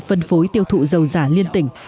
phân phối tiêu thụ dầu giả liên tình